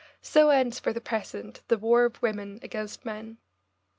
So ends, for the present, the war of women against men.